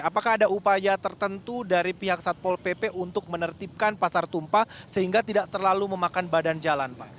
apakah ada upaya tertentu dari pihak satpol pp untuk menertibkan pasar tumpah sehingga tidak terlalu memakan badan jalan pak